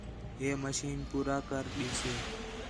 ہِے مشین پورا کر ݙیسے